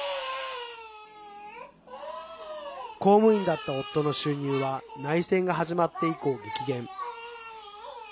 公務員だった夫の収入は内戦が始まって以降、激減。